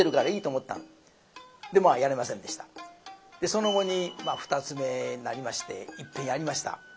その後に二ツ目になりましていっぺんやりました。